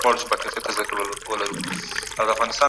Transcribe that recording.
ژمی ځي او پسرلی راځي.